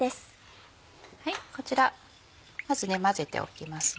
こちらまず混ぜておきます。